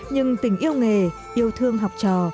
nhưng tình yêu nghề yêu thương học trò